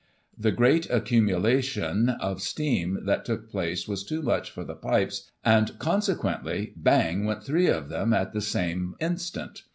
The great accumulation of steam that took place was too much for the pipes; and, consequently, bang went three of them, at the same instant.